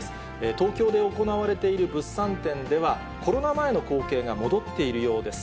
東京で行われている物産展では、コロナ前の光景が戻っているようです。